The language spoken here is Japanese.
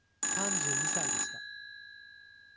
３２歳でした。